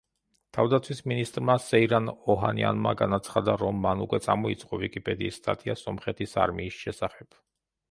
თავდაცვის მინისტრმა სეირან ოჰანიანმა განაცხადა, რომ მან უკვე წამოიწყო ვიკიპედიის სტატია სომხეთის არმიის შესახებ.